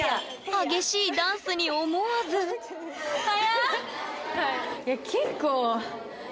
激しいダンスに思わず速！